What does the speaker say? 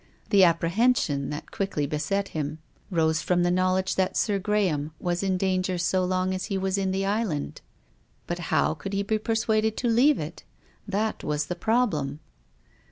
The apprehension that quickly be set him rose from the knowledge that Sir Graham was in danger so long as he was in the Island. But how could he be persuaded to leave it ? That was the problem.